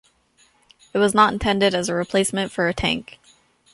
It was not intended as a replacement for a tank.